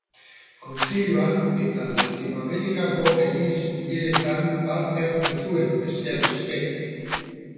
Kontzilioan eta Latinoamerikako Eliz Bileretan parte hartu zuen, besteak beste.